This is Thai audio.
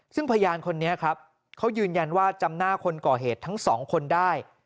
ซึ่งพยานคนนี้ครับเขายืนยันว่าจำหน้าคนก่อเหตุทั้งสองคนได้